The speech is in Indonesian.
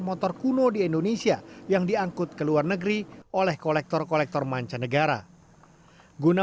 motor kuno di indonesia yang diangkut ke luar negeri oleh kolektor kolektor mancanegara guna